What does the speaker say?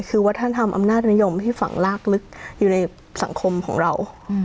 คือวัฒนธรรมอำนาจนิยมที่ฝั่งลากลึกอยู่ในสังคมของเรา